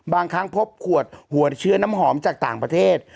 บางครั้งพบขวดหัวเชื้อน้ำหอมจากต่างประเทศ